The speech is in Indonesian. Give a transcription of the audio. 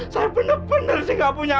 saya benar benar sih gak punya